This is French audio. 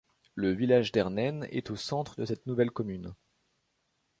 Le village d'Ernen est au centre de cette nouvelle commune.